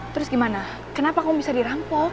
terus gimana kenapa kamu bisa dirampok